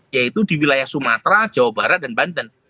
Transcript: yaitu di wilayah sumatera jawa barat dan banten